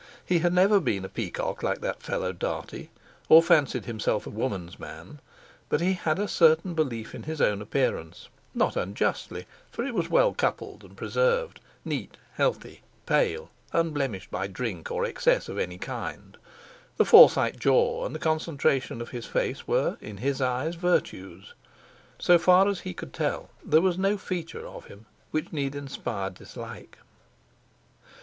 He had never been a peacock like that fellow Dartie, or fancied himself a woman's man, but he had a certain belief in his own appearance—not unjustly, for it was well coupled and preserved, neat, healthy, pale, unblemished by drink or excess of any kind. The Forsyte jaw and the concentration of his face were, in his eyes, virtues. So far as he could tell there was no feature of him which need inspire dislike.